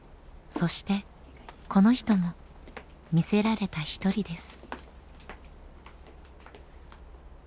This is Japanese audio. そしてこの人も魅せられた一人です。